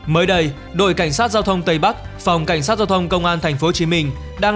mới đây đội cảnh sát giao thông tây bắc phòng cảnh sát giao thông công an tp hcm đang